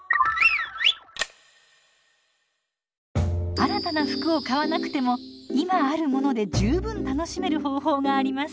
新たな服を買わなくても今あるもので十分楽しめる方法があります。